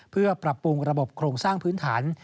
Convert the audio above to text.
เพื่อปรับปรุงระบบโครงสร้างพื้นฐาน